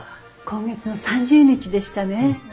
今月の３０日でしたね。